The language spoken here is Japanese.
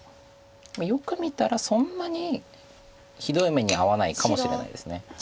よく見たらそんなにひどい目に遭わないかもしれないです。